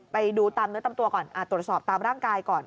ไปดูตามเนื้อตามตัวก่อนตรวจสอบตามร่างกายก่อน